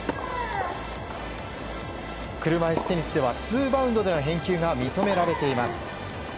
車いすテニスではツーバウンドでの返球が認められています。